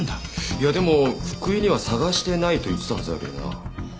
いやでも福井には捜してないと言ってたはずだけどな。